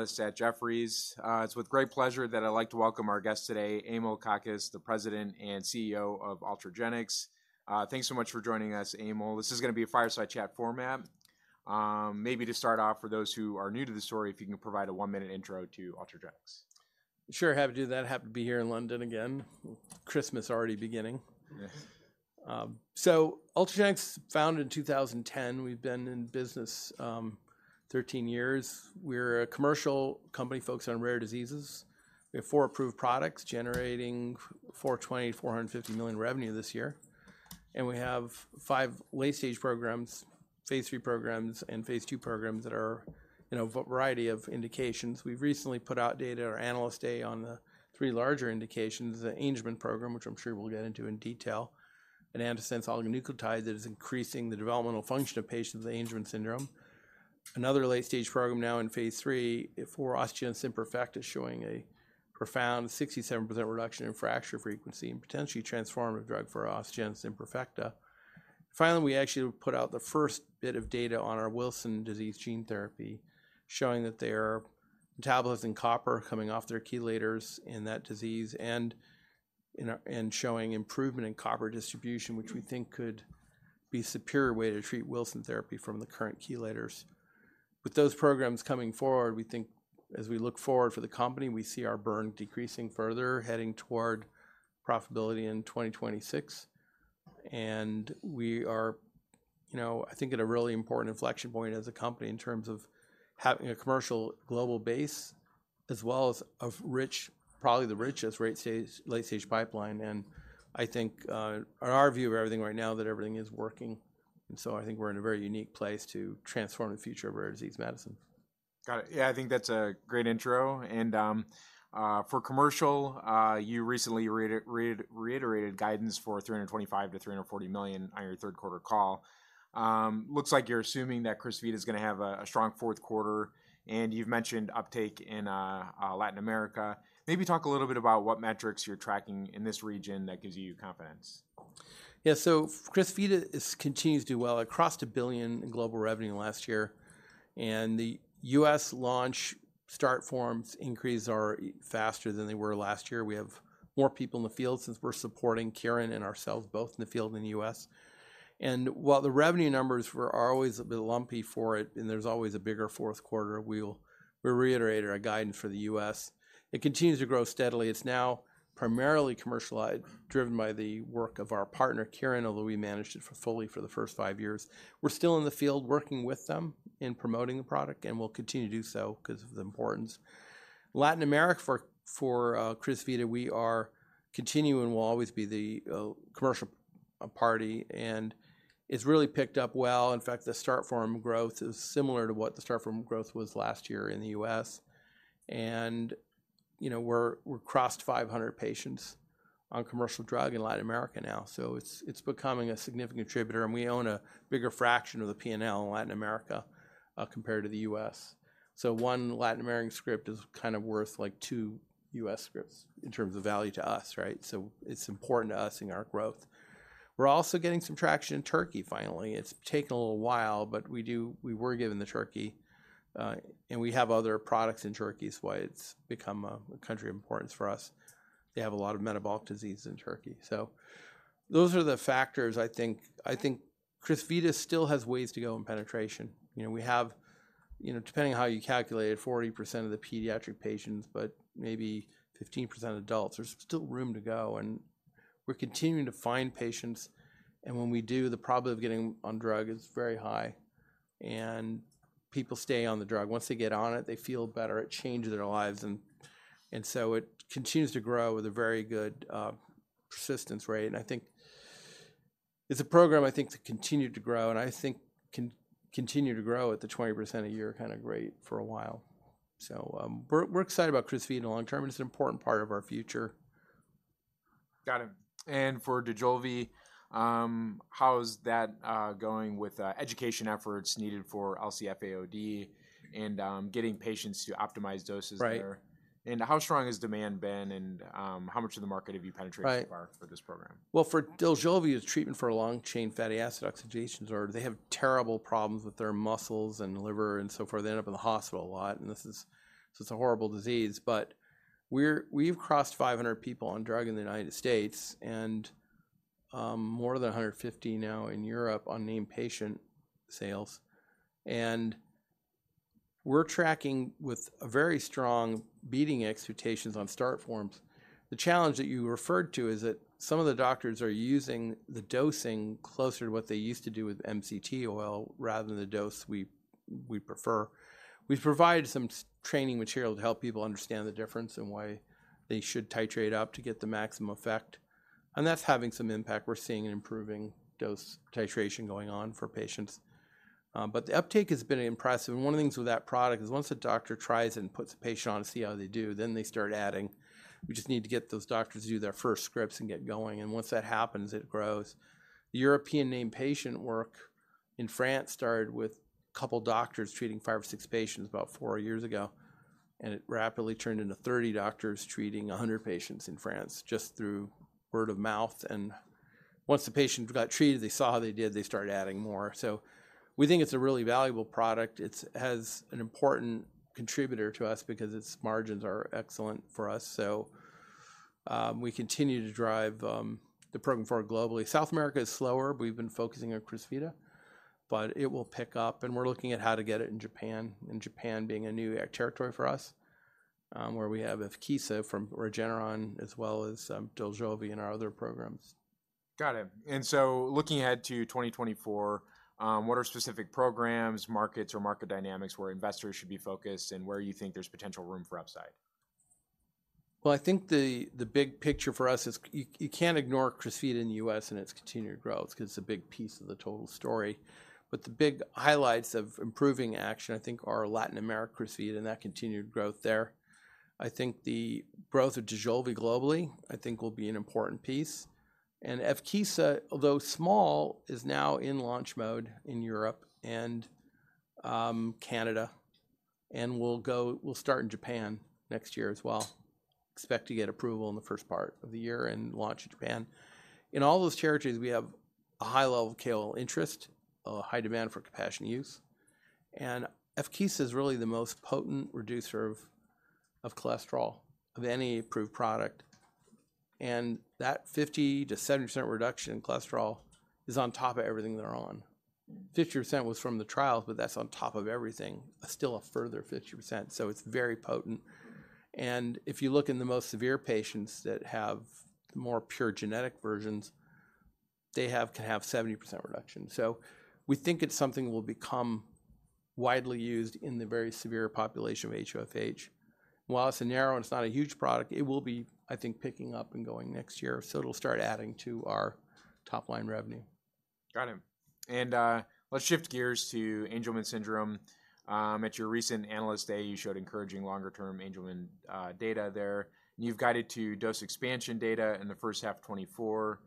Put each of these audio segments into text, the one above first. Analyst at Jefferies. It's with great pleasure that I'd like to welcome our guest today, Emil Kakkis, the President and CEO of Ultragenyx. Thanks so much for joining us, Emil. This is gonna be a fireside chat format. Maybe to start off, for those who are new to the story, if you can provide a one-minute intro to Ultragenyx. Sure, happy to do that. Happy to be here in London again. Christmas already beginning. Yes. So Ultragenyx, founded in 2010, we've been in business, 13 years. We're a commercial company focused on rare diseases. We have four approved products generating $420-$450 million revenue this year, and we have 5 late-stage programs, phase III programs, and phase II programs that are, you know, a variety of indications. We've recently put out data at our Analyst Day on the three larger indications, the Angelman program, which I'm sure we'll get into in detail, an antisense oligonucleotide that is increasing the developmental function of patients with Angelman syndrome. Another late-stage program now in phase III, for osteogenesis imperfecta, showing a profound 67% reduction in fracture frequency and potentially transformative drug for osteogenesis imperfecta. Finally, we actually put out the first bit of data on our Wilson Disease gene therapy, showing that they are metabolizing copper coming off their chelators in that disease and showing improvement in copper distribution, which we think could be a superior way to treat Wilson Disease from the current chelators. With those programs coming forward, we think as we look forward for the company, we see our burn decreasing further, heading toward profitability in 2026. And we are, you know, I think, at a really important inflection point as a company in terms of having a commercial global base, as well as a rich, probably the richest rare late-stage pipeline. And I think, on our view of everything right now, that everything is working, and so I think we're in a very unique place to transform the future of rare disease medicine. Got it. Yeah, I think that's a great intro, and, for commercial, you recently reiterated guidance for $325 million-$340 million on your third quarter call. Looks like you're assuming that Crysvita is gonna have a strong fourth quarter, and you've mentioned uptake in Latin America. Maybe talk a little bit about what metrics you're tracking in this region that gives you confidence. Yeah, so Crysvita continues to do well. It crossed $1 billion in global revenue last year, and the U.S. launch start forms increase are faster than they were last year. We have more people in the field since we're supporting Kirin and ourselves, both in the field in the U.S. And while the revenue numbers are always a bit lumpy for it, and there's always a bigger fourth quarter, we... We reiterated our guidance for the U.S. It continues to grow steadily. It's now primarily commercialized, driven by the work of our partner, Kirin, although we managed it fully for the first five years. We're still in the field working with them in promoting the product, and we'll continue to do so because of the importance. Latin America, for Crysvita, we are continuing and will always be the commercial party, and it's really picked up well. In fact, the start from growth is similar to what the start from growth was last year in the U.S. You know, we crossed 500 patients on commercial drug in Latin America now, so it's becoming a significant contributor, and we own a bigger fraction of the P&L in Latin America compared to the U.S. So one Latin American script is kind of worth like two U.S. scripts in terms of value to us, right? So it's important to us in our growth. We're also getting some traction in Turkey finally. It's taken a little while, but we do—we were given the Turkey, and we have other products in Turkey, is why it's become a country of importance for us. They have a lot of metabolic disease in Turkey. So those are the factors, I think... I think Crysvita still has ways to go in penetration. You know, we have, you know, depending on how you calculate it, 40% of the pediatric patients, but maybe 15% of adults. There's still room to go, and we're continuing to find patients, and when we do, the probability of getting on drug is very high, and people stay on the drug. Once they get on it, they feel better. It changes their lives, and, and so it continues to grow with a very good persistence rate. I think it's a program, I think, to continue to grow, and I think continue to grow at the 20% a year kind of rate for a while. So, we're excited about Crysvita in the long term, and it's an important part of our future. Got it. And for Dojolvi, how is that going with education efforts needed for LC-FAOD and getting patients to optimize doses there? Right. How strong has demand been, and how much of the market have you penetrated? Right So far for this program? Well, for Dojolvi, it's treatment for a long-chain fatty acid oxidation disorder. They have terrible problems with their muscles and liver and so forth. They end up in the hospital a lot, and this is... so it's a horrible disease. But we've crossed 500 people on drug in the United States, and more than 150 now in Europe on named patient sales. And we're tracking with a very strong, beating expectations on start forms. The challenge that you referred to is that some of the doctors are using the dosing closer to what they used to do with MCT oil rather than the dose we prefer. We've provided some training material to help people understand the difference and why they should titrate up to get the maximum effect, and that's having some impact. We're seeing an improving dose titration going on for patients. But the uptake has been impressive, and one of the things with that product is once a doctor tries and puts a patient on to see how they do, then they start adding. We just need to get those doctors to do their first scripts and get going, and once that happens, it grows. The European named patient work in France started with a couple doctors treating five or six patients about four years ago, and it rapidly turned into 30 doctors treating 100 patients in France, just through word of mouth. Once the patient got treated, they saw how they did, they started adding more. So we think it's a really valuable product. It has an important contributor to us because its margins are excellent for us. We continue to drive the program forward globally. South America is slower. We've been focusing on Crysvita, but it will pick up, and we're looking at how to get it in Japan, and Japan being a new territory for us, where we have Evkeeza from Regeneron as well as Dojolvi and our other programs. Got it. And so looking ahead to 2024, what are specific programs, markets, or market dynamics where investors should be focused, and where you think there's potential room for upside? Well, I think the big picture for us is you can't ignore Crysvita in the US and its continued growth, 'cause it's a big piece of the total story. But the big highlights of improving action, I think, are Latin America Crysvita and that continued growth there. I think the growth of Dojolvi globally, I think will be an important piece. And Evkeeza, although small, is now in launch mode in Europe and Canada, and will start in Japan next year as well. Expect to get approval in the first part of the year and launch in Japan. In all those territories, we have a high level of KOL interest, a high demand for compassionate use, and Evkeeza is really the most potent reducer of cholesterol of any approved product, and that 50%-70% reduction in cholesterol is on top of everything they're on. 50% was from the trials, but that's on top of everything, still a further 50%, so it's very potent. If you look in the most severe patients that have the more pure genetic versions, they have to have 70% reduction. So we think it's something that will become widely used in the very severe population of HoFH. While it's narrow and it's not a huge product, it will be, I think, picking up and going next year, so it'll start adding to our top-line revenue. Got it. And, let's shift gears to Angelman syndrome. At your recent Analyst Day, you showed encouraging longer-term Angelman data there, and you've guided to dose expansion data in the first half 2024.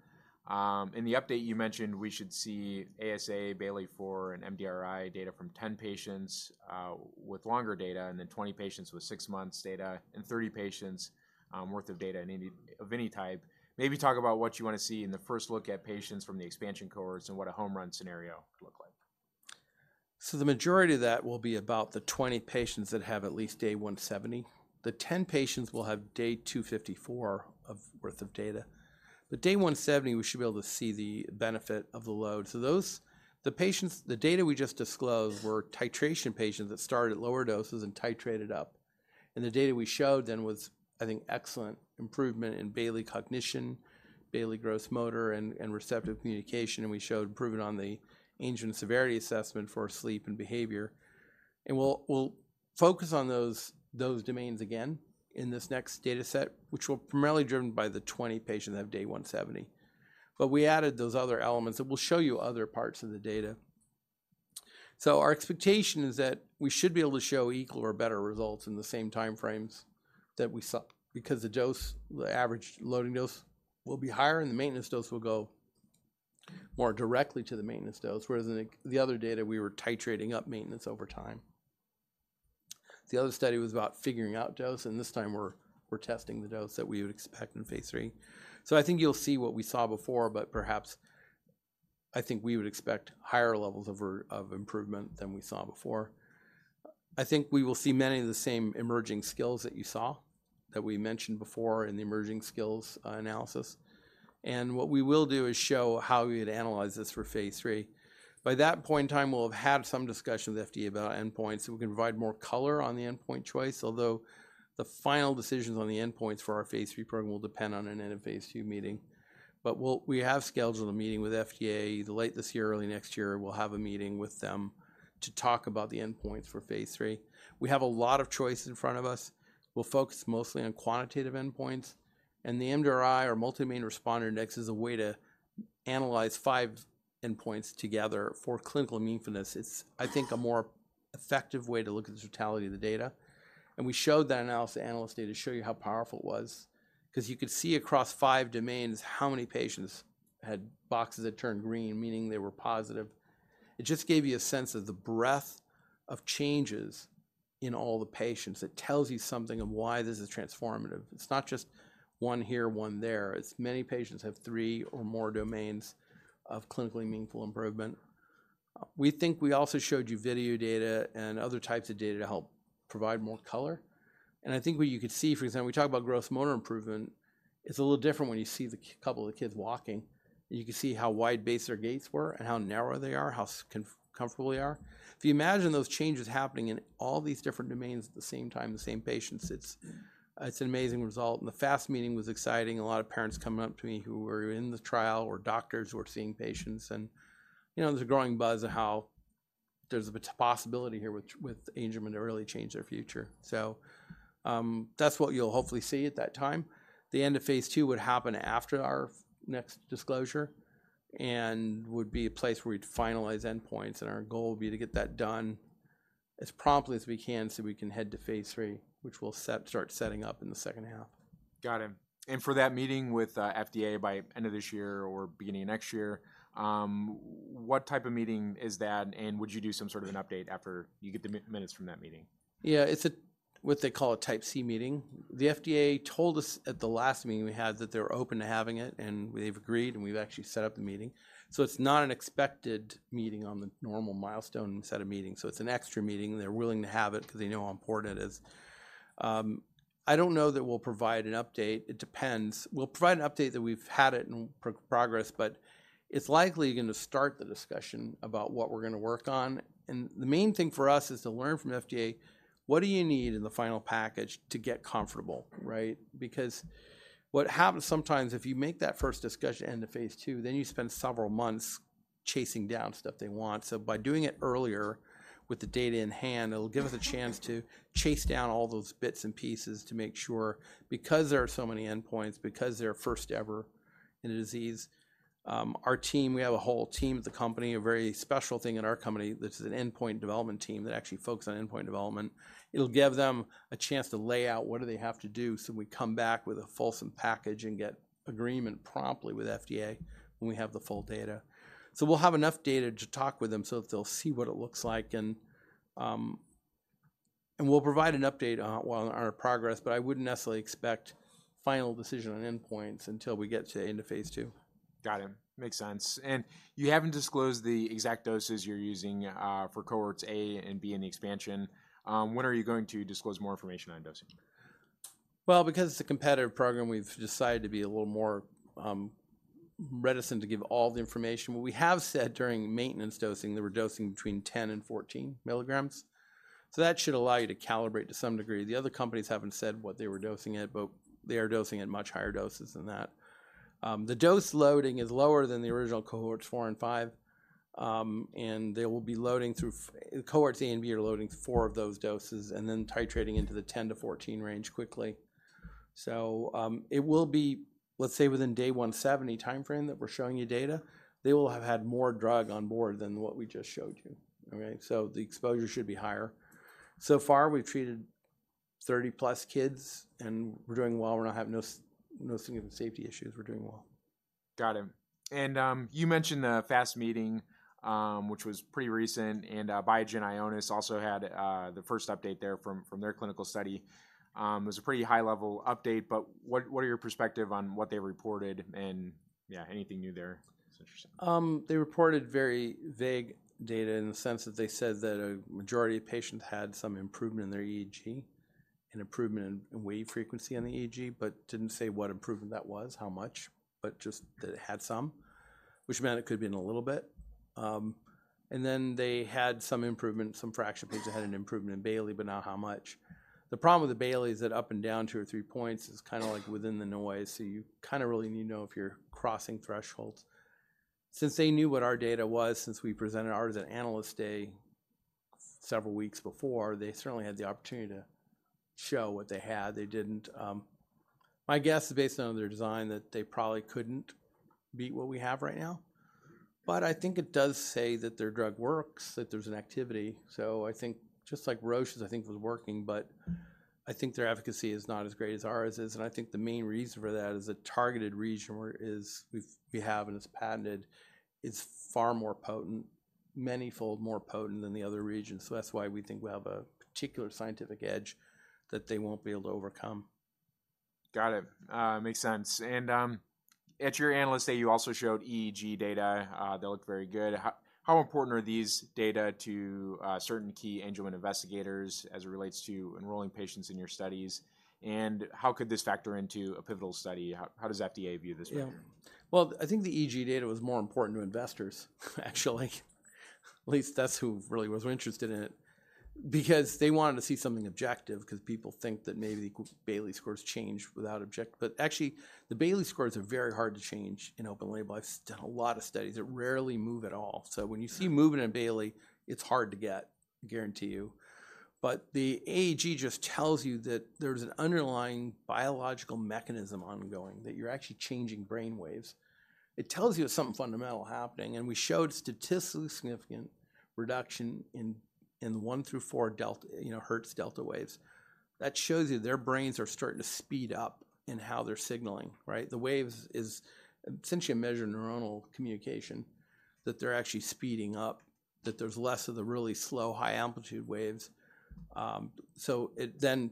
In the update you mentioned, we should see ASA, Bayley-IV, and MDRI data from 10 patients with longer data, and then 20 patients with six months data, and 30 patients worth of data of any type. Maybe talk about what you wanna see in the first look at patients from the expansion cohorts and what a home run scenario could look like. So the majority of that will be about the 20 patients that have at least day 170. The 10 patients will have day 254 worth of data. The day 170, we should be able to see the benefit of the load. So those. The patients, the data we just disclosed were titration patients that started at lower doses and titrated up. And the data we showed then was, I think, excellent improvement in Bayley cognition, Bayley gross motor, and receptive communication, and we showed improvement on the Angelman severity assessment for sleep and behavior. And we'll focus on those domains again in this next data set, which will primarily be driven by the 20 patients that have day 170. But we added those other elements, and we'll show you other parts of the data. So our expectation is that we should be able to show equal or better results in the same time frames that we saw, because the dose, the average loading dose, will be higher, and the maintenance dose will go more directly to the maintenance dose, whereas in the other data, we were titrating up maintenance over time. The other study was about figuring out dose, and this time we're testing the dose that we would expect in phase III. So I think you'll see what we saw before, but perhaps I think we would expect higher levels of improvement than we saw before. I think we will see many of the same emerging skills that you saw, that we mentioned before in the emerging skills analysis. And what we will do is show how we would analyze this for phase III. By that point in time, we'll have had some discussions with FDA about endpoints, and we can provide more color on the endpoint choice, although the final decisions on the endpoints for our phase III program will depend on an end of phase II meeting. But we have scheduled a meeting with FDA either late this year or early next year. We'll have a meeting with them to talk about the endpoints for phase III. We have a lot of choices in front of us. We'll focus mostly on quantitative endpoints, and the MDRI, or Multi-Domain Responder Index, is a way to analyze five endpoints together for clinical meaningfulness. It's, I think, a more effective way to look at the totality of the data, and we showed that analysis, the analyst data, to show you how powerful it was. 'Cause you could see across five domains how many patients had boxes that turned green, meaning they were positive. It just gave you a sense of the breadth of changes in all the patients. It tells you something of why this is transformative. It's not just one here, one there. It's many patients have three or more domains of clinically meaningful improvement. We think we also showed you video data and other types of data to help provide more color. And I think what you could see, for example, we talked about gross motor improvement. It's a little different when you see the couple of the kids walking. You can see how wide-based their gaits were and how narrow they are, how comfortable they are. If you imagine those changes happening in all these different domains at the same time, the same patients, it's, it's an amazing result. The FAST meeting was exciting. A lot of parents coming up to me who were in the trial or doctors who are seeing patients, and, you know, there's a growing buzz of how there's a possibility here with, with Angelman to really change their future. So, that's what you'll hopefully see at that time. The end of phase II would happen after our next disclosure and would be a place where we'd finalize endpoints, and our goal would be to get that done as promptly as we can so we can head to phase III, which we'll set, start setting up in the second half. Got it. And for that meeting with FDA by end of this year or beginning of next year, what type of meeting is that, and would you do some sort of an update after you get the minutes from that meeting? Yeah, it's what they call a Type C meeting. The FDA told us at the last meeting we had that they were open to having it, and they've agreed, and we've actually set up the meeting. So it's not an expected meeting on the normal milestone set of meetings. So it's an extra meeting, and they're willing to have it 'cause they know how important it is. I don't know that we'll provide an update. It depends. We'll provide an update that we've had it in progress, but it's likely going to start the discussion about what we're gonna work on, and the main thing for us is to learn from FDA, what do you need in the final package to get comfortable, right? Because what happens sometimes, if you make that first discussion into phase two, then you spend several months chasing down stuff they want. So by doing it earlier with the data in hand, it'll give us a chance to chase down all those bits and pieces to make sure, because there are so many endpoints, because they're first ever in a disease, our team, we have a whole team at the company, a very special thing in our company. This is an endpoint development team that actually focus on endpoint development. It'll give them a chance to lay out what do they have to do, so we come back with a fulsome package and get agreement promptly with FDA when we have the full data. So we'll have enough data to talk with them, so they'll see what it looks like, and, and we'll provide an update on, well, on our progress, but I wouldn't necessarily expect final decision on endpoints until we get to into phase 2. Got it. Makes sense. And you haven't disclosed the exact doses you're using for cohorts A and B in the expansion. When are you going to disclose more information on dosing? Well, because it's a competitive program, we've decided to be a little more reticent to give all the information. What we have said during maintenance dosing, that we're dosing between 10 and 14 milligrams, so that should allow you to calibrate to some degree. The other companies haven't said what they were dosing at, but they are dosing at much higher doses than that. The dose loading is lower than the original cohorts 4 and 5, and they will be loading through. Cohorts A and B are loading 4 of those doses and then titrating into the 10 to 14 range quickly. So, it will be, let's say, within day 170 timeframe that we're showing you data, they will have had more drug on board than what we just showed you. Okay? So the exposure should be higher. So far, we've treated 30-plus kids, and we're doing well. We're not having no significant safety issues. We're doing well. Got it. And you mentioned the FAST meeting, which was pretty recent, and Biogen Ionis also had the first update there from their clinical study. It was a pretty high-level update, but what are your perspective on what they reported, and yeah, anything new there that's interesting? They reported very vague data in the sense that they said that a majority of patients had some improvement in their EEG and improvement in wave frequency on the EEG, but didn't say what improvement that was, how much, but just that it had some, which meant it could have been a little bit. And then they had some improvement, some fraction of patients had an improvement in Bayley, but not how much. The problem with the Bayley is that up and down 2 or 3 points is kind of like within the noise, so you kind of really need to know if you're crossing thresholds. Since they knew what our data was, since we presented ours at Analyst Day several weeks before, they certainly had the opportunity to show what they had. They didn't. My guess, based on their design, that they probably couldn't beat what we have right now. But I think it does say that their drug works, that there's an activity. So I think just like Roche's, I think, was working, but I think their efficacy is not as great as ours is, and I think the main reason for that is a targeted region whereas we have, and it's patented, it's far more potent, manyfold more potent than the other regions. So that's why we think we have a particular scientific edge that they won't be able to overcome. Got it. Makes sense. And at your Analyst Day, you also showed EEG data that looked very good. How important are these data to certain key Angelman investigators as it relates to enrolling patients in your studies? And how could this factor into a pivotal study? How does FDA view this factor? Yeah. Well, I think the EEG data was more important to investors, actually. At least that's who really was interested in it. Because they wanted to see something objective, because people think that maybe the Bayley scores change without objective— But actually, the Bayley scores are very hard to change in open label. I've done a lot of studies. They rarely move at all. So when you see movement in Bayley, it's hard to get, I guarantee you. But the EEG just tells you that there's an underlying biological mechanism ongoing, that you're actually changing brainwaves. It tells you there's something fundamental happening, and we showed statistically significant reduction in, in 1-4 Hz delta waves, you know. That shows you their brains are starting to speed up in how they're signaling, right? The waves is essentially a measure of neuronal communication, that they're actually speeding up, that there's less of the really slow, high-amplitude waves. So it then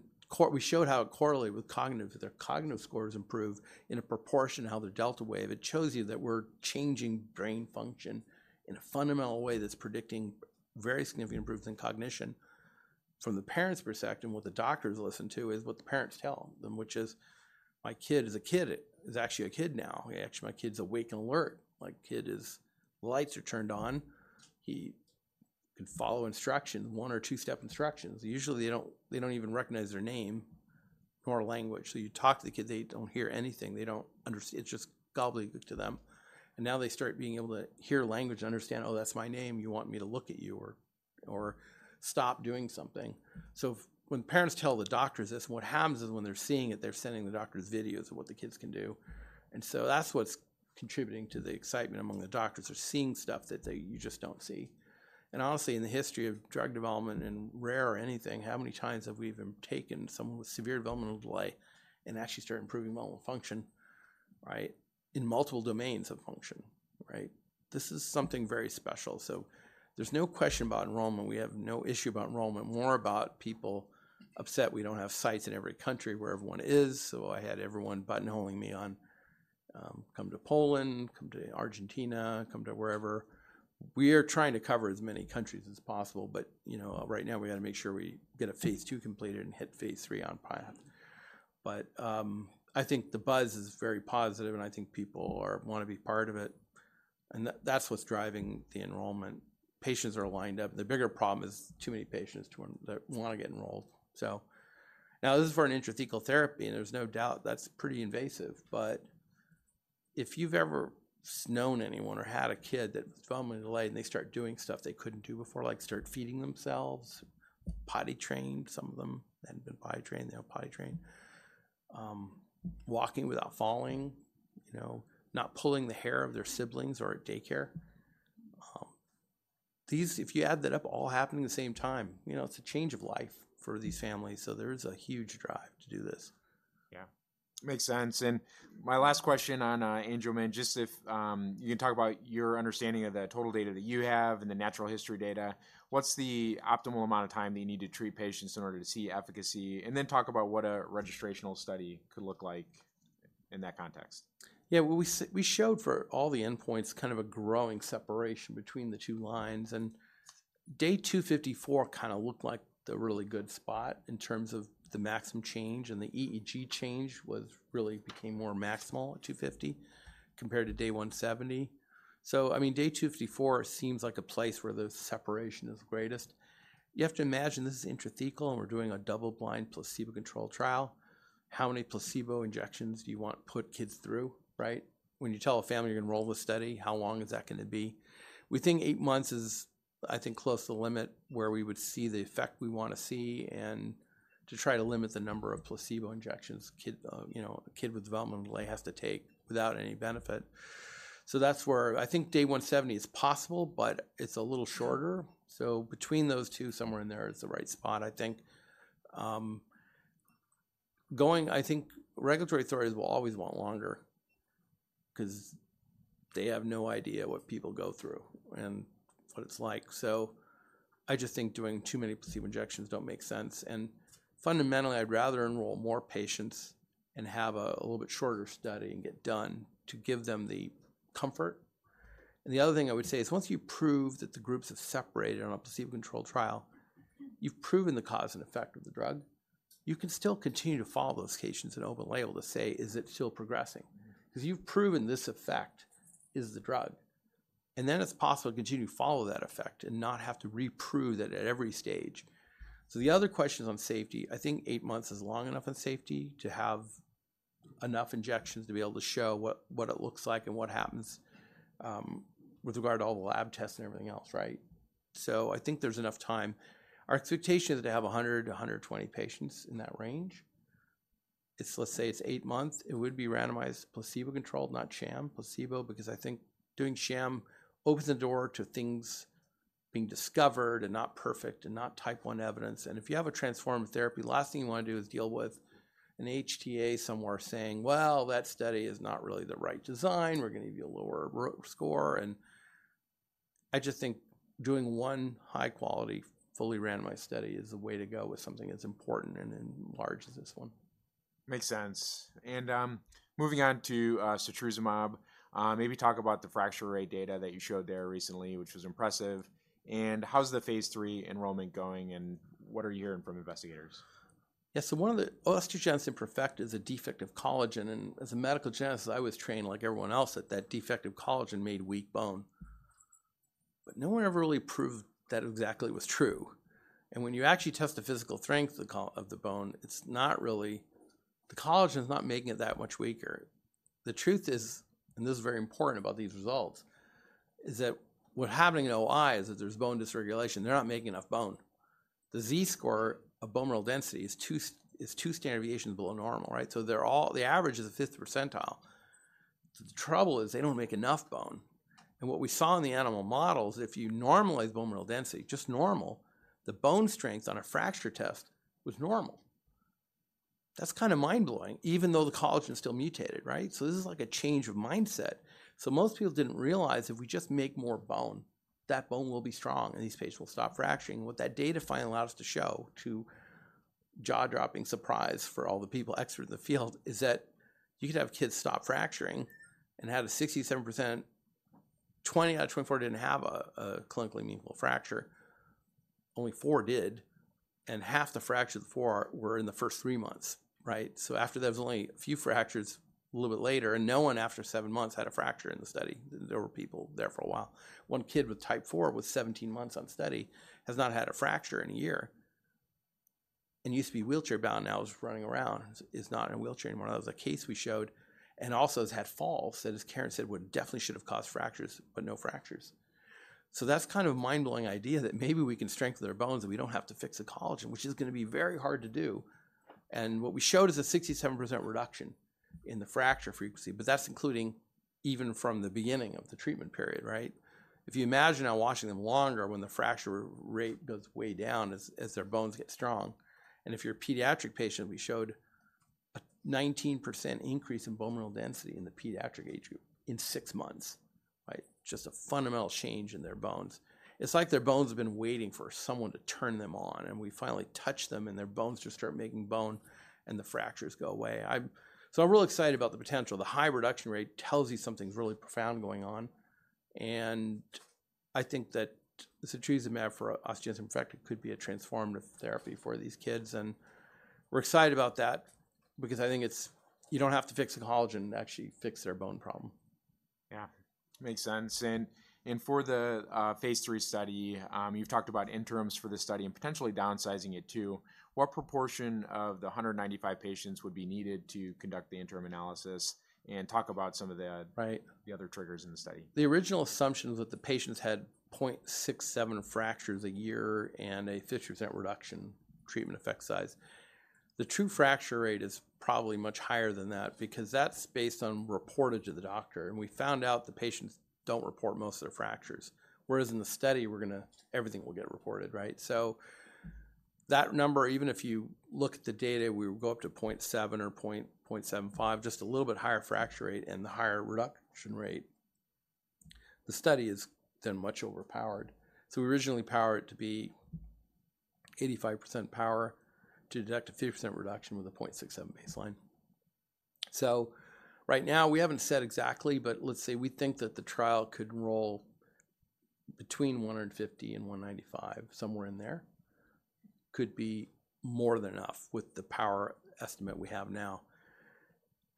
we showed how it correlated with cognitive. Their cognitive scores improved in a proportion how their delta wave. It shows you that we're changing brain function in a fundamental way that's predicting very significant improvements in cognition. From the parents' perspective, and what the doctors listen to, is what the parents tell them, which is: "My kid is a kid, is actually a kid now. Actually, my kid's awake and alert. My kid is... lights are turned on. He can follow instructions, one or two-step instructions." Usually, they don't, they don't even recognize their name nor language. So you talk to the kid, they don't hear anything. They don't understand. It's just gobbly to them. And now they start being able to hear language and understand, "Oh, that's my name. You want me to look at you or, or stop doing something." So when parents tell the doctors this, what happens is, when they're seeing it, they're sending the doctors videos of what the kids can do. And so that's what's contributing to the excitement among the doctors. They're seeing stuff that they, you just don't see. And honestly, in the history of drug development and rare or anything, how many times have we even taken someone with severe developmental delay and actually start improving normal function? Right? In multiple domains of function, right? This is something very special. So there's no question about enrollment. We have no issue about enrollment, more about people upset we don't have sites in every country where everyone is. So I had everyone buttonholing me on, "Come to Poland, come to Argentina, come to wherever." We are trying to cover as many countries as possible, but, you know, right now, we gotta make sure we get a phase II completed and hit phase III on path. But, I think the buzz is very positive, and I think people wanna be part of it, and that's what's driving the enrollment. Patients are lined up. The bigger problem is too many patients that wanna get enrolled. So now, this is for an intrathecal therapy, and there's no doubt that's pretty invasive. But if you've ever known anyone or had a kid that was developmentally delayed, and they start doing stuff they couldn't do before, like start feeding themselves, potty trained, some of them hadn't been potty trained, they were potty trained. Walking without falling, you know, not pulling the hair of their siblings or at daycare. These, if you add that up, all happen at the same time, you know, it's a change of life for these families, so there is a huge drive to do this. Yeah. Makes sense, and my last question on Angelman, just if you can talk about your understanding of the total data that you have and the natural history data. What's the optimal amount of time that you need to treat patients in order to see efficacy? And then talk about what a registrational study could look like in that context. Yeah, well, we showed for all the endpoints, kind of a growing separation between the two lines, and day 254 kinda looked like the really good spot in terms of the maximum change, and the EEG change really became more maximal at 250 compared to day 170. So, I mean, day 254 seems like a place where the separation is greatest. You have to imagine this is intrathecal, and we're doing a double-blind, placebo-controlled trial. How many placebo injections do you want to put kids through, right? When you tell a family you're gonna enroll in the study, how long is that gonna be? We think eight months is, I think, close to the limit where we would see the effect we wanna see and to try to limit the number of placebo injections a kid, you know, a kid with developmental delay has to take without any benefit. So that's where I think day 170 is possible, but it's a little shorter. So between those two, somewhere in there is the right spot, I think. I think regulatory authorities will always want longer 'cause they have no idea what people go through and what it's like. So I just think doing too many placebo injections don't make sense, and fundamentally, I'd rather enroll more patients and have a little bit shorter study and get done to give them the comfort. And the other thing I would say is, once you prove that the groups have separated on a placebo-controlled trial, you've proven the cause and effect of the drug. You can still continue to follow those patients in open label to say: Is it still progressing? 'Cause you've proven this effect is the drug, and then it's possible to continue to follow that effect and not have to reprove it at every stage. So the other question is on safety. I think eight months is long enough in safety to have enough injections to be able to show what, what it looks like and what happens, with regard to all the lab tests and everything else, right? So I think there's enough time. Our expectation is to have 100 to 120 patients in that range. It's, let's say, 8 months. It would be randomized, placebo-controlled, not sham. Placebo, because I think doing sham opens the door to things being discovered and not perfect and not Type I evidence. And if you have a transformative therapy, the last thing you wanna do is deal with an HTA somewhere saying, "Well, that study is not really the right design. We're gonna give you a lower Z-score." And I just think doing one high-quality, fully randomized study is the way to go with something that's important and then large as this one. Makes sense. Moving on to setrusumab, maybe talk about the fracture rate data that you showed there recently, which was impressive. How's the phase III enrollment going, and what are you hearing from investigators? Yeah, so one of the osteogenesis imperfecta is a defect of collagen, and as a medical geneticist, I was trained like everyone else, that that defective collagen made weak bone. But no one ever really proved that exactly was true. And when you actually test the physical strength of the bone, it's not really the collagen is not making it that much weaker. The truth is, and this is very important about these results, is that what's happening in OI is that there's bone dysregulation. They're not making enough bone. The Z-score of bone mineral density is two standard deviations below normal, right? So they're all the average is the fifth percentile. So the trouble is they don't make enough bone, and what we saw in the animal models, if you normalize bone mineral density, just normal, the bone strength on a fracture test was normal. That's kind of mind-blowing, even though the collagen's still mutated, right? So this is like a change of mindset. So most people didn't realize if we just make more bone, that bone will be strong, and these patients will stop fracturing. What that data finally allowed us to show, to jaw-dropping surprise for all the people, experts in the field, is that you could have kids stop fracturing and have a 67%, 20 out of 24 didn't have a, a clinically meaningful fracture. Only four did, and half the fractures, four, were in the first three months, right? So after, there was only a few fractures a little bit later, and no one after 7 months had a fracture in the study. There were people there for a while. One kid with Type IV was 17 months on study, has not had a fracture in a year and used to be wheelchair-bound, now is running around, is, is not in a wheelchair anymore. That was a case we showed, and also has had falls that, as Karen said, would definitely should have caused fractures, but no fractures. So that's kind of a mind-blowing idea, that maybe we can strengthen their bones, and we don't have to fix the collagen, which is gonna be very hard to do. And what we showed is a 67% reduction in the fracture frequency, but that's including-... even from the beginning of the treatment period, right? If you imagine now watching them longer when the fracture rate goes way down as their bones get strong, and if you're a pediatric patient, we showed a 19% increase in bone mineral density in the pediatric age group in six months, right? Just a fundamental change in their bones. It's like their bones have been waiting for someone to turn them on, and we finally touch them, and their bones just start making bone, and the fractures go away. I'm so I'm really excited about the potential. The high reduction rate tells you something's really profound going on, and I think that setrusumab for osteogenesis imperfecta could be a transformative therapy for these kids, and we're excited about that because I think it's... You don't have to fix the collagen to actually fix their bone problem. Yeah, makes sense. And for the phase III study, you've talked about interims for the study and potentially downsizing it, too. What proportion of the 195 patients would be needed to conduct the interim analysis? And talk about some of the- Right. The other triggers in the study. The original assumption was that the patients had 0.67 fractures a year and a 50% reduction treatment effect size. The true fracture rate is probably much higher than that because that's based on reported to the doctor, and we found out the patients don't report most of their fractures. Whereas in the study, we're gonna everything will get reported, right? So that number, even if you look at the data, we would go up to 0.7 or point 0.75, just a little bit higher fracture rate and the higher reduction rate. The study is then much overpowered. So we originally powered it to be 85% power to detect a 50% reduction with a 0.67 baseline. So right now, we haven't said exactly, but let's say we think that the trial could roll between 150 and 195, somewhere in there, could be more than enough with the power estimate we have now.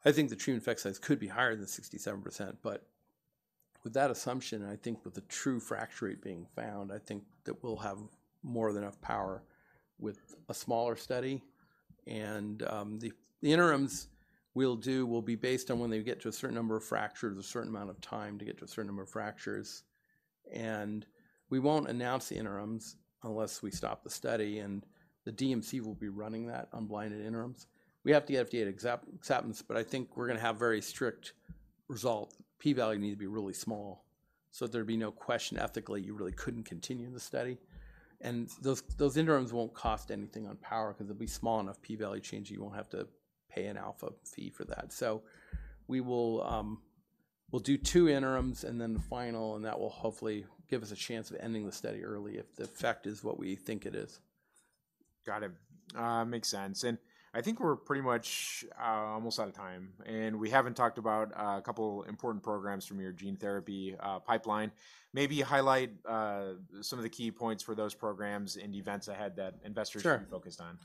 I think the true effect size could be higher than 67%, but with that assumption, and I think with the true fracture rate being found, I think that we'll have more than enough power with a smaller study. And the interims we'll do will be based on when they get to a certain number of fractures, a certain amount of time to get to a certain number of fractures. And we won't announce the interims unless we stop the study, and the DMC will be running that unblinded interims. We have the FDA acceptance, but I think we're gonna have very strict result. P-value needs to be really small, so there'd be no question ethically you really couldn't continue the study. And those interims won't cost anything on power 'cause it'll be small enough p-value change, you won't have to pay an alpha fee for that. So we'll do two interims and then the final, and that will hopefully give us a chance of ending the study early if the effect is what we think it is. Got it. Makes sense, and I think we're pretty much, almost out of time, and we haven't talked about a couple important programs from your gene therapy, pipeline. Maybe highlight, some of the key points for those programs and the events ahead that investors- Sure. Should be focused on.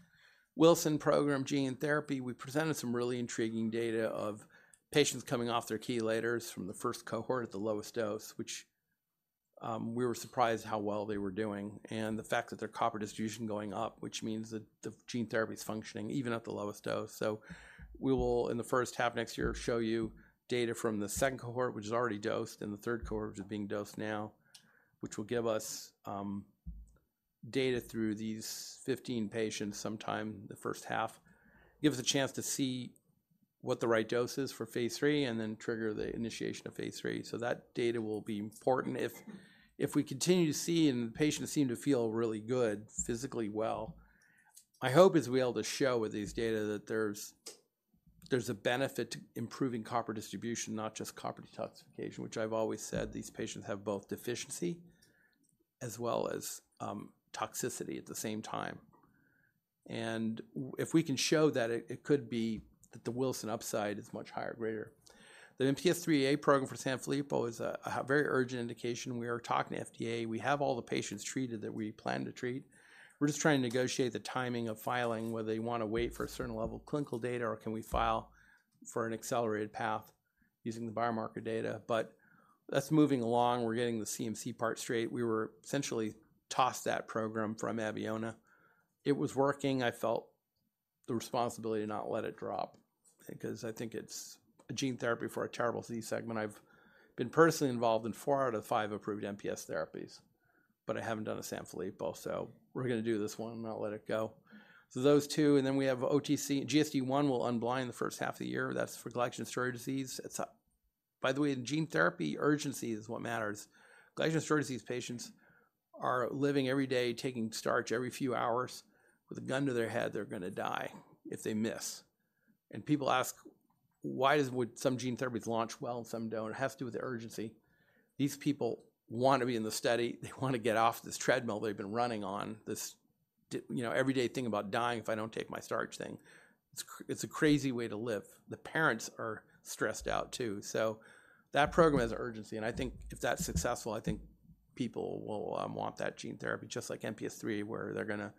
Wilson program, gene therapy, we presented some really intriguing data of patients coming off their chelators from the first cohort at the lowest dose, which we were surprised how well they were doing, and the fact that their copper distribution going up, which means that the gene therapy is functioning even at the lowest dose. So we will, in the first half of next year, show you data from the second cohort, which is already dosed, and the third cohort, which is being dosed now, which will give us data through these 15 patients sometime in the first half. Give us a chance to see what the right dose is for phase III and then trigger the initiation of phase III. So that data will be important. If we continue to see and the patients seem to feel really good, physically well, my hope is to be able to show with these data that there's a benefit to improving copper distribution, not just copper detoxification, which I've always said these patients have both deficiency as well as toxicity at the same time. And if we can show that, it could be that the Wilson upside is much higher, greater. The MPS IIIA program for Sanfilippo is a very urgent indication. We are talking to FDA. We have all the patients treated that we plan to treat. We're just trying to negotiate the timing of filing, whether they wanna wait for a certain level of clinical data, or can we file for an accelerated path using the biomarker data. But that's moving along. We're getting the CMC part straight. We were essentially tossed that program from Abeona. It was working. I felt the responsibility to not let it drop because I think it's a gene therapy for a terrible disease segment. I've been personally involved in four out of five approved MPS therapies, but I haven't done a Sanfilippo, so we're gonna do this one and not let it go. So those two, and then we have OTC. GSD I will unblind the first half of the year. That's for glycogen storage disease. It's, by the way, in gene therapy, urgency is what matters. Glycogen storage disease patients are living every day taking starch every few hours with a gun to their head, they're gonna die if they miss. And people ask: Why would some gene therapies launch well and some don't? It has to do with the urgency. These people want to be in the study. They want to get off this treadmill they've been running on, this you know, everyday thing about dying, if I don't take my starch thing. It's a crazy way to live. The parents are stressed out, too. So that program has urgency, and I think if that's successful, I think people will want that gene therapy, just like MPS III, where they're gonna...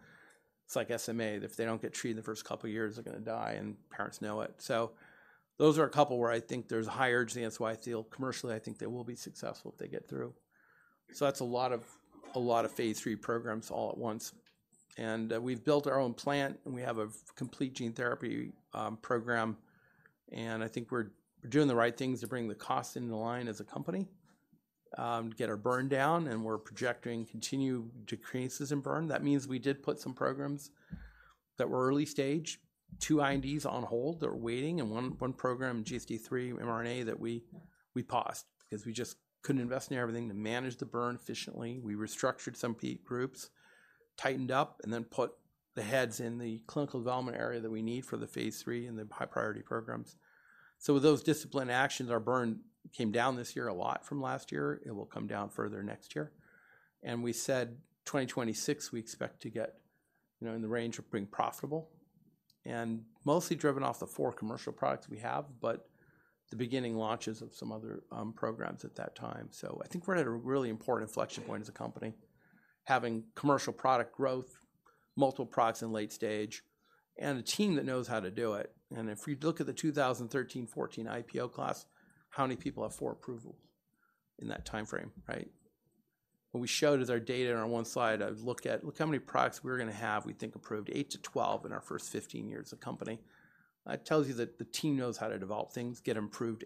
It's like SMA. If they don't get treated in the first couple of years, they're gonna die, and parents know it. So those are a couple where I think there's a high urgency. That's why I feel commercially, I think they will be successful if they get through. So that's a lot of, a lot of phase III programs all at once. We've built our own plant, and we have a complete gene therapy program, and I think we're doing the right things to bring the cost into line as a company, get our burn down, and we're projecting continued decreases in burn. That means we did put some programs that were early stage, two INDs on hold. They're waiting, and one program, GSD III mRNA, that we paused because we just couldn't invest in everything to manage the burn efficiently. We restructured some R&D groups, tightened up, and then put the heads in the clinical development area that we need for the phase III and the high priority programs. So with those disciplined actions, our burn came down this year a lot from last year. It will come down further next year. We said 2026, we expect to get, you know, in the range of being profitable and mostly driven off the 4 commercial products we have, but the beginning launches of some other programs at that time. I think we're at a really important inflection point as a company, having commercial product growth, multiple products in late stage, and a team that knows how to do it. If we look at the 2013, 2014 IPO class, how many people have 4 approvals in that timeframe, right? What we showed is our data on one slide. Look how many products we're gonna have, we think approved 8-12 in our first 15 years of company. That tells you that the team knows how to develop things, get approved.